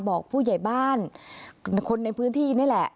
บอกผู้ใหญ่บ้านคนในพื้นที่นี่แหละ